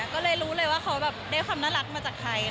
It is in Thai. ก็เลยรู้เลยว่าเขาแบบได้ความน่ารักมาจากใคร